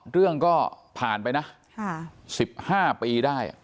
เรื่องก็ผ่านไปนะ๑๕ปีได้